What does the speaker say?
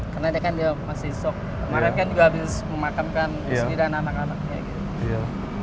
karena dia kan masih shock kemaren kan juga habis memakamkan sendiri dan anak anaknya